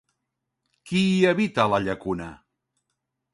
Qui hi habita a la llacuna?